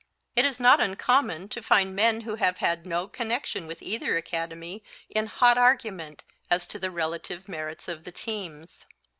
It is not uncommon to find men who have had no connection with either academy in hot argument as to the relative merits of the teams.